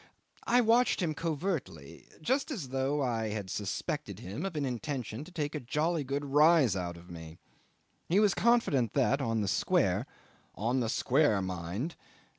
I watched him covertly, just as though I had suspected him of an intention to take a jolly good rise out of me. He was confident that, on the square, "on the square, mind!"